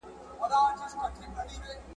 جګه لکه ونه د چینار په پسرلي کي `